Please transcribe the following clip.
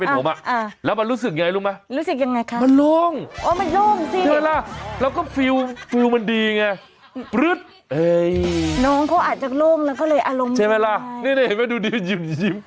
ใช่ไหมล่ะนี่ได้เห็นไหมดูดูยิ้มยิ้ม